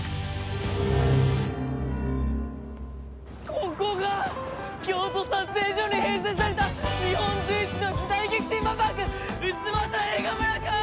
ここが京都撮影所に併設された日本随一の時代劇テーマパーク太秦映画村か！